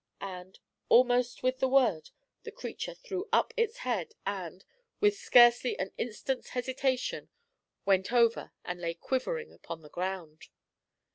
and, almost with the word, the creature threw up its head and, with scarcely an instant's hesitation, went over and lay quivering upon the ground.